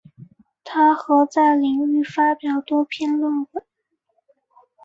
她和在领域发表多篇论文。